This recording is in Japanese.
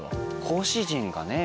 講師陣がね